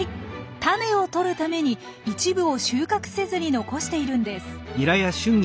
タネをとるために一部を収穫せずに残しているんです。